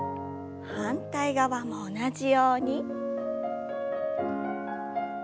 反対側も同じように。